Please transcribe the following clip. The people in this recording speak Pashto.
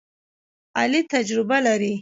علي تجربه لري.